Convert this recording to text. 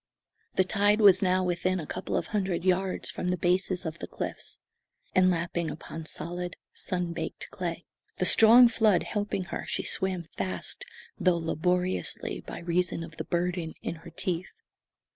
The tide was now within a couple of hundred yards from the bases of the cliffs, and lapping upon solid, sun baked clay. The strong flood helping her, she swam fast, though laboriously by reason of the burden in her teeth.